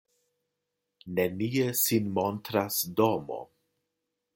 Nenie sin montras domo.